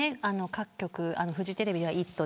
各局フジテレビはイット！